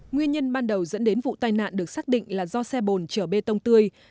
nguyên nhân ban đầu dẫn đến vụ tai nạn được xác định là do xe bồn chở bê tông tươi